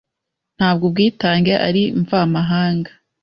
ntabwo ubwitange ari mvamahanga